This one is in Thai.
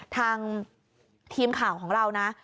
ทางทีมข่าวของเรานะ